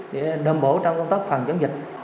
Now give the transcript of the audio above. để đảm bảo trong công tác phòng chống dịch